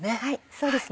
そうですね。